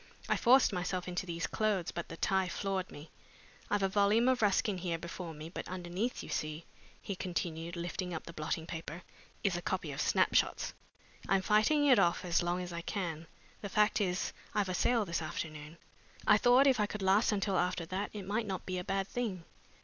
I forced myself into these clothes but the tie floored me. I've a volume of Ruskin here before me, but underneath, you see," he continued, lifting up the blotting paper, "is a copy of Snapshots. I'm fighting it off as long as I can. The fact is I've a sale this afternoon. I thought if I could last until after that it might not be a bad thing."